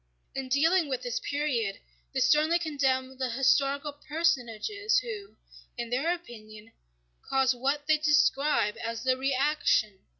In dealing with this period they sternly condemn the historical personages who, in their opinion, caused what they describe as the reaction.